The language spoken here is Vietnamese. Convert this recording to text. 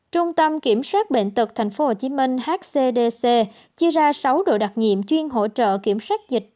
trung tâm kiểm soát bệnh tật tp hcm hcdc chia ra sáu đội đặc nhiệm chuyên hỗ trợ kiểm soát dịch